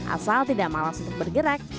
asal tidak malas untuk bergerak